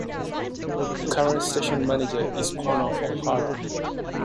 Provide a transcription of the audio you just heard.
The current station manager is Connor O'Hara.